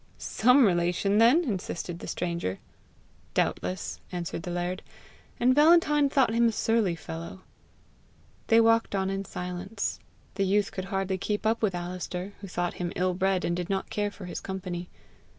"SOME relation then!" insisted the stranger. "Doubtless," answered the laird, and Valentine thought him a surly fellow. They walked on in silence. The youth could hardly keep up with Alister, who thought him ill bred, and did not care for his company.